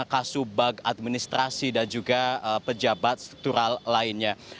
kasubag administrasi dan juga pejabat struktural lainnya